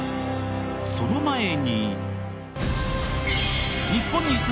その前に。